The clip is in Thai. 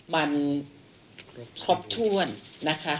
มันครบถ้วนนะคะ